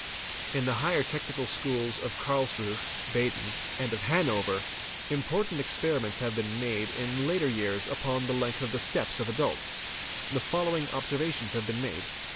— In the higher technical schools of Karlsruhe (Baden) and of Han over, important experiments have been made in later years upon the length of the steps of adults. The following observations have been made.